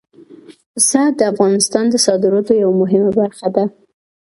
پسه د افغانستان د صادراتو یوه مهمه برخه ده.